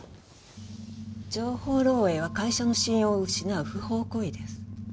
情報漏洩は会社の信用を失う不法行為です。